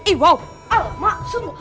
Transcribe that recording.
iwow alamak sungguh